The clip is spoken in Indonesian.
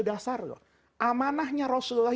dasar loh amanahnya rasulullah